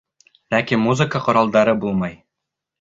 Ләкин музыка ҡоралдары булмай.